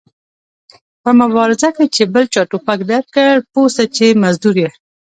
په مبارزه کې چې بل چا ټوپک درکړ پوه سه چې مزدور ېې